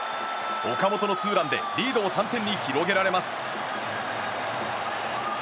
岡本のツーランでリードを３点に広げられます。